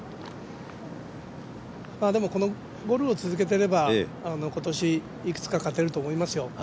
でも、ゴルフを続けてれば今年、いくつか勝てると思いますよ。